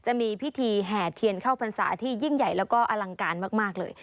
จะมีพิธีแห่เทียนเข้าพรรษาที่ยิ่งใหญ่แล้วก็อลังการมากเลย